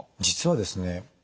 実はですね